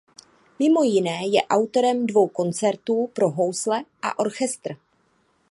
Mimo jiné je autorem dvou koncertů pro housle a orchestr.